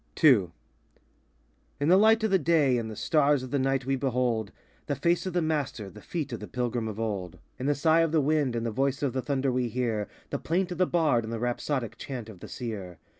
II In the light of the day, in the stars of the night we behold The face of the Master, the feet of the Pilgrim of old; 79 In the sigh of the wind and the voice of the thunder we hear The plaint of the bard and the rhapsodic chant of the seer.